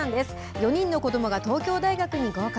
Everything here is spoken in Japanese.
４人の子どもが東京大学に合格。